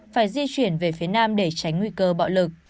phải di chuyển về phía nam để tránh nguy cơ bạo lực